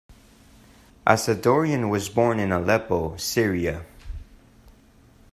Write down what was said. Assadourian was born in Aleppo, Syria.